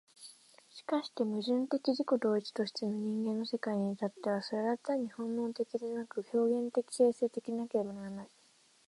しかして矛盾的自己同一としての人間の世界に至っては、それは単に本能的でなく、表現的形成的でなければならない。